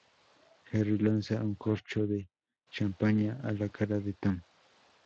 Jerry lanza un corcho de champaña a la cara de Tom.